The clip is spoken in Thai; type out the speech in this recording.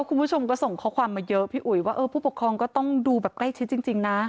คุณผู้ชมก็ส่งข้อความมาเยอะพี่อุ๋ยว่าเออผู้ปกครองก็ต้องดูแบบใกล้ชิดจริงนะ